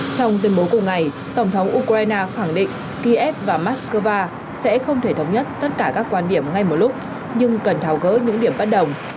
trong tuyên bố cùng ngày tổng thống ukraine khẳng định kiev và moscow sẽ không thể thống nhất tất cả các quan điểm ngay một lúc nhưng cần tháo gỡ những điểm bất đồng